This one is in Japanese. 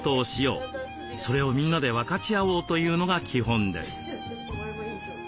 それをみんなで分かち合おうというのが基本です。